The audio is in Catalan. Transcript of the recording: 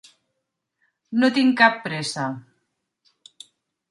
No tinc cap pressa.